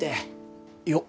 よっ。